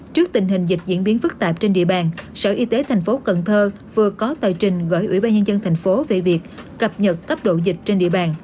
trước tình hình dịch diễn biến phức tạp trên địa bàn sở y tế thành phố cần thơ vừa có tờ trình gửi ủy ban nhân dân thành phố về việc cập nhật cấp độ dịch trên địa bàn